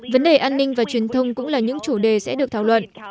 vấn đề an ninh và truyền thông cũng là những chủ đề sẽ được thảo luận